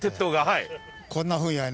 はい。